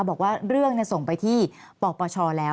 บอกว่าเรื่องส่งไปที่ปปชแล้ว